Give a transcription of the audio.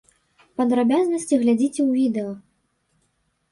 Падрабязнасці глядзіце ў відэа!